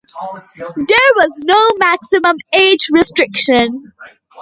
There was no maximum age restriction.